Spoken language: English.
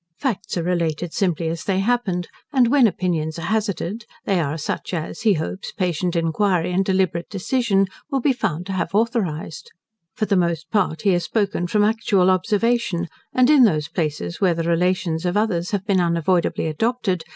Facts are related simply as they happened, and when opinions are hazarded, they are such as, he hopes, patient inquiry, and deliberate decision, will be found to have authorised. For the most part he has spoken from actual observation; and in those places where the relations of others have been unavoidably adopted.